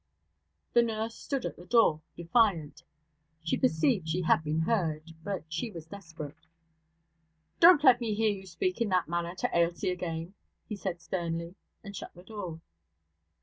The nurse stood at the door, defiant. She perceived she had been heard, but she was desperate. 'Don't let me hear you speak in that manner to Ailsie again,' he said sternly, and shut the door.